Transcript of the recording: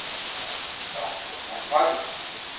سوچه پښتو ژبه زموږ د کلتوري بقا دپاره حیاتي ده